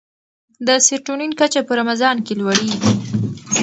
د سیرټونین کچه په رمضان کې لوړېږي.